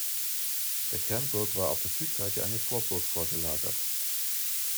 Der Kernburg war auf der Südseite eine Vorburg vorgelagert.